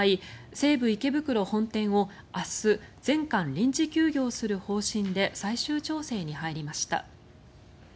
西武池袋本店を明日全館、臨時休業する方針で最終調整に入りました。